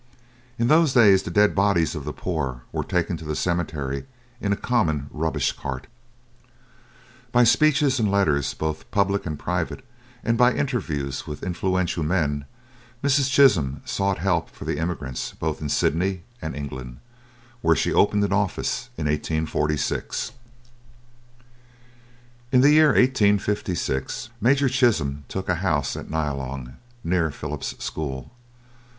In those days the dead bodies of the poor were taken to the cemetery in a common rubbish cart. By speeches and letters both public and private, and by interviews with influential men, Mrs. Chisholm sought help for the emigrants both in Sydney and England, where she opened an office in 1846. In the year 1856 Major Chisholm took a house at Nyalong, near Philip's school.